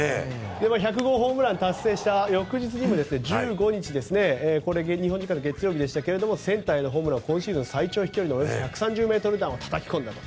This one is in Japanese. １００号ホームラン達成した翌日１５日日本時間の月曜日でしたがセンターへのホームラン今シーズン最長距離の１３０ｍ弾を叩き込んだと。